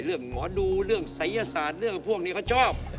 หมอดูเรื่องศัยศาสตร์เรื่องพวกนี้เขาชอบ